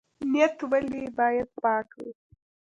نیت ولې باید پاک وي؟